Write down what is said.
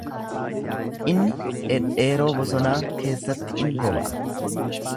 Inni dhedheeroo bosonaa keessatti in boba'a.